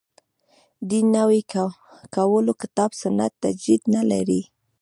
دین نوی کول کتاب سنت تجدید نه لري.